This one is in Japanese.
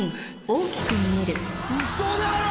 ウソだろ！